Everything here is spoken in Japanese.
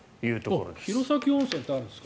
弘前温泉ってあるんですか？